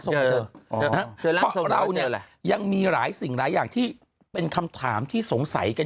เพราะเราเนี่ยยังมีหลายสิ่งหลายอย่างที่เป็นคำถามที่สงสัยกัน